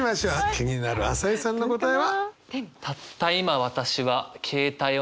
気になる朝井さんの答えは？